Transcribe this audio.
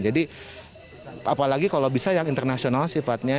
jadi apalagi kalau bisa yang internasional sifatnya